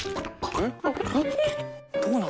「えっ！？」